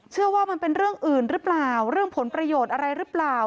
เชื่อว่ามันเป็นเรื่องอื่นหรือเปล่าเรื่องผลประโยชน์อะไรหรือเปล่า